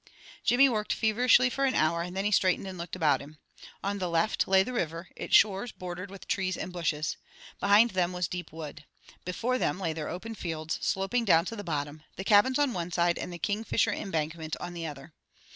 Jimmy worked feverishly for an hour, and then he straightened and looked about him. On the left lay the river, its shores bordered with trees and bushes. Behind them was deep wood. Before them lay their open fields, sloping down to the bottom, the cabins on one side, and the kingfisher embankment on the other.